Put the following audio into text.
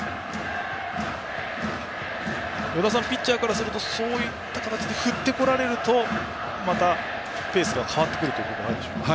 ピッチャーからするとそういった形で振ってこられるとまたペースが変わってくるということはあるでしょうか。